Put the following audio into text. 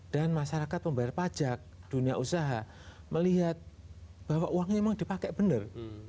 dan masyarakat pembayar pajak dunia usaha melihat bahwa uangnya memang dipakai benar